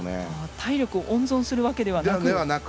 体力を温存するわけではなく。